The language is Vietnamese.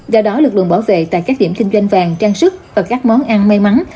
do đó lực lượng bảo vệ tại các điểm kinh doanh vàng trang sức và các món ăn may mắn